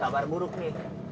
kabar buruk nih